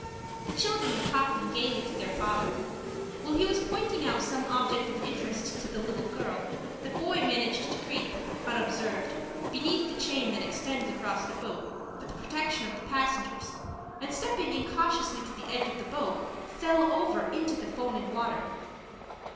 The children were talking gayly to their father. While he was pointing out some object of interest to the little girl, the boy managed to creep, unobserved, beneath the chain that extends across the boat, for the protection of passengers, and, stepping incautiously to the edge of the boat, fell over into the foaming water.